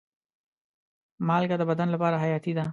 مالګه د بدن لپاره حیاتي ده.